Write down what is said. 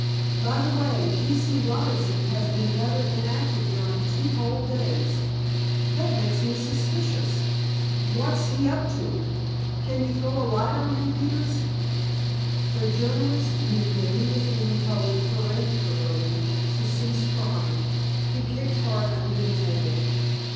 By the way, P. C. Robinson has been rather inactive during two whole days. That makes me suspicious. What's he up to? Can you throw a light on him, Peters?" The journalist knew that he was being told peremptorily to cease prying. He kicked Hart under the table.